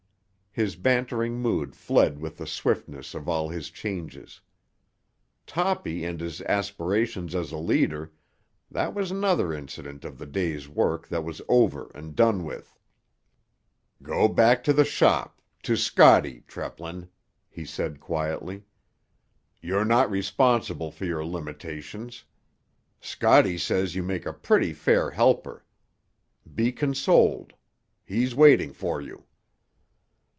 His bantering mood fled with the swiftness of all his changes. Toppy and his aspirations as a leader—that was another incident of the day's work that was over and done with. "Go back to the shop, to Scotty, Treplin," he said quietly. "You're not responsible for your limitations. Scotty says you make a pretty fair helper. Be consoled. He's waiting for you."